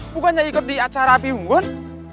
bukannya ikut di acara api unggul